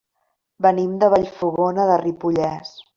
Venim de Vallfogona de Ripollès.